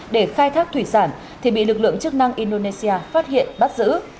để khai thác thủy sản thì bị lực lượng chức năng indonesia phát hiện bắt giữ